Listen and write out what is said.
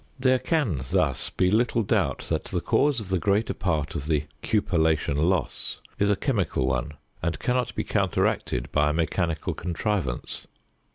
There can, thus, be little doubt that the cause of the greater part of the "cupellation loss" is a chemical one and cannot be counteracted by a mechanical contrivance.